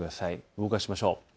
動かしましょう。